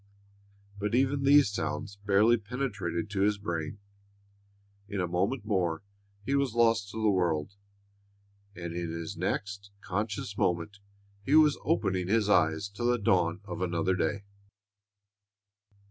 But even these sounds barely penetrated to his brain. In a moment more he was lost to the world, and in his next conscious moment he was opening his eyes to the dawn of another day.